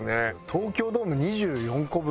東京ドーム２４個分？